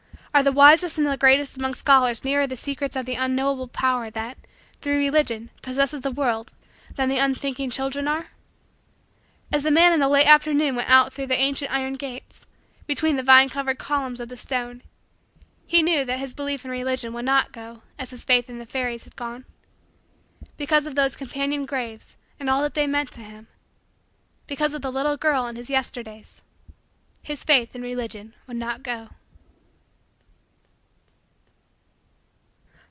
Are the wisest and the greatest among scholars nearer the secrets of the unknowable power, that, through Religion, possesses the world, than the unthinking children are? As the man in the late afternoon went out through the ancient iron gates, between the vine covered columns of stone, he knew that his belief in Religion would not go as his faith in fairies had gone. Because of those companion graves and all that they meant to him because of the little girl in his Yesterdays his faith in Religion would not go.